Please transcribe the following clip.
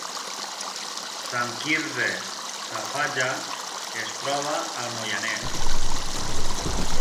Sant Quirze Safaja es troba al Moianès